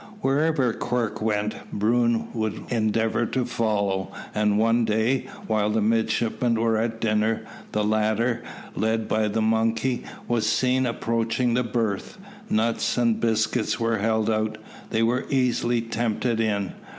Wherever Quirk went, Bruin would endeavour to follow; and one day, while the midshipmen were at dinner, the latter, led by the monkey, was seen approaching the berth. Nuts and biscuits were held out. They were easily tempted in.